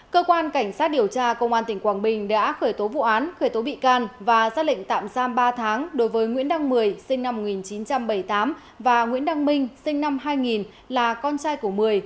cơ quan cảnh sát điều tra công an tỉnh quảng bình đã khởi tố vụ án khởi tố bị can và ra lệnh tạm giam ba tháng đối với nguyễn đăng mười sinh năm một nghìn chín trăm bảy mươi tám và nguyễn đăng minh sinh năm hai nghìn là con trai của mười